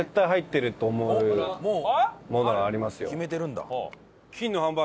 決めてるんだ。